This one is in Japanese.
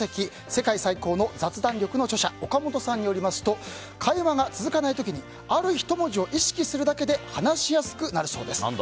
「世界最高の雑談力」の著者岡本さんによりますと会話が続かない時にある１文字を意識するだけで話しやすくなるそうです。